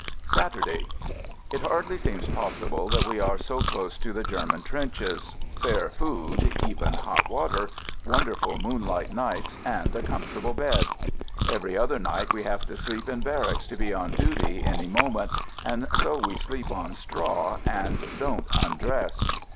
Saturday. It hardly seems possible that we are so close to the German trenches — fair food — even hot water — wonderful moon light nights, and a comfortable bed. Every other night we have to sleep in barracks to be on duty any moment, and so we sleep on straw and don't undress.